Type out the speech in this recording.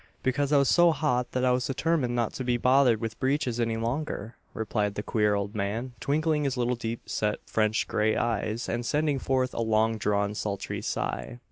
"Because I was so hot that I was determined not to be bothered with breeches any longer!" replied the queer old man twinkling his little deep set French grey eyes, and sending forth a long drawn sultry sigh.